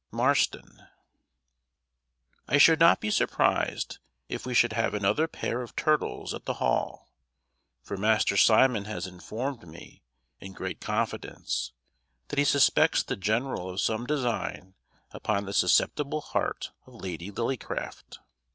MARSTON. I should not be surprised if we should have another pair of turtles at the Hall, for Master Simon has informed me, in great confidence, that he suspects the general of some design upon the susceptible heart of Lady Lillycraft.